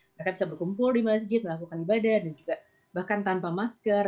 mereka bisa berkumpul di masjid melakukan ibadah dan juga bahkan tanpa masker